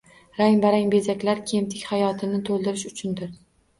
Rang-barang bezaklar kemtik hayotini toʻldirish uchundir.